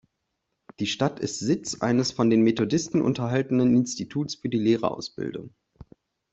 Die Stadt ist Sitz eines von den Methodisten unterhaltenen Instituts für die Lehrerausbildung.